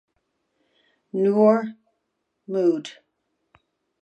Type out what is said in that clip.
Noor Mohd.